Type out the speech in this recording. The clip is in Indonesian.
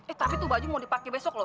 eh tapi tuh baju mau dipake besok lho